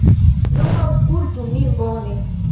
Nun aŭskultu min bone.